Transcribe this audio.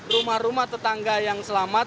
rumah rumah tetangga yang selamat